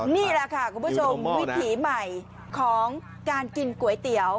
นี่แหละค่ะคุณผู้ชมวิถีใหม่ของการกินก๋วยเตี๋ยว